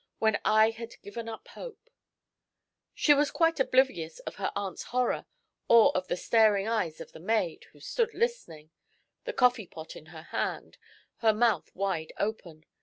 when I had given up hope!" She was quite oblivious of her aunt's horror or of the staring eyes of the maid, who stood listening, the coffee pot in her hand, her mouth wide open.